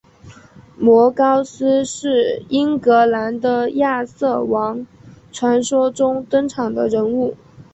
摩高斯是英格兰的亚瑟王传说中登场的人物。